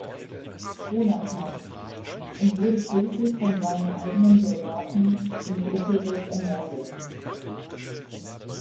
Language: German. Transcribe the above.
Gonatas, und wurde schließlich von seinen eigenen Soldaten in Ephesos ermordet.